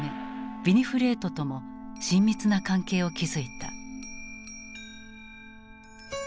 ヴィニフレートとも親密な関係を築いた。